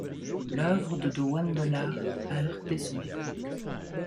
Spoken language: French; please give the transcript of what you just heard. L'oeuvre de Dewandelaer a heurté son époque.